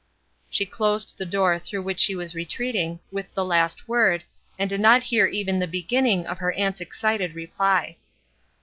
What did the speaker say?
She closed the door through which she was retreating, with the last word, and did not hear even the be^nning of her aunt's excited reply.